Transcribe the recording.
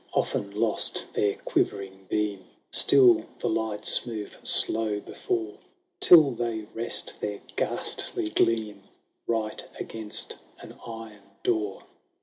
Often lost their quivering beam, Still the lights move slow before, Till they rest their ghastly gleam Eight against an iron door.